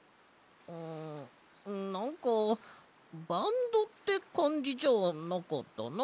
んなんかバンドってかんじじゃなかったな。